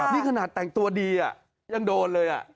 นี่ขนาดแต่งตัวดียังโดนเลย